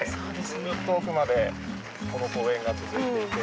ずっと奥までこの公園が続いていて。